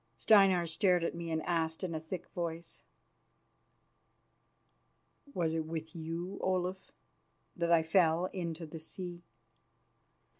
Steinar stared at me and asked in a thick voice: "Was it with you, Olaf, that I fell into the sea?"